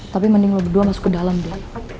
tapi mending lo berdua masuk ke dalam dia